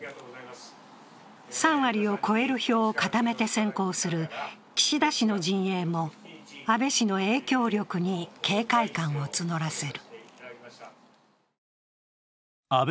３割を超える票を固めて先行する岸田氏の陣営も安倍氏の影響力に警戒感を募らせる。